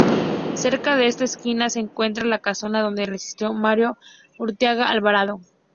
Cerca de esta esquina se encuentra la casona donde residió Mario Urteaga Alvarado.